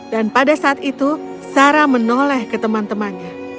dan pada saat itu sarah menoleh ke teman temannya